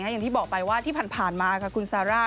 ขอบอกไปว่าที่ผ่านมากับคุณซาร่า